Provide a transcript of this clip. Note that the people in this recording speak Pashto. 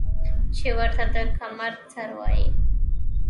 چې ورته د کمر سر وايي ـ